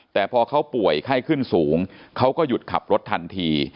แต่พอเขาป่วยไข้ขึ้นสูงเขาก็หยุดขับรถทันที